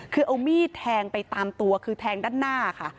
คือเอามีดแทงไปตามตัวคือแทงด้านหน้าค่ะ